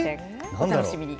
お楽しみに。